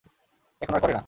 এখন আর করে না।